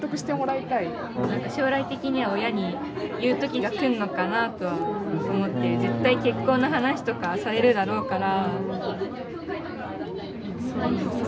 なんか将来的には親に言う時が来るのかなとは思って絶対結婚の話とかされるだろうから。